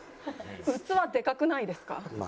器でかくないですか？